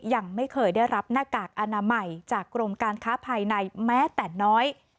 ยังไม่เคยได้รับหน้ากากอนามัยจากกรมการค้าภายในแม้แต่น้อย